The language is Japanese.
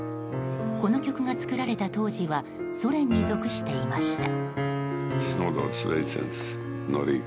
この曲が作られた当時はソ連に属していました。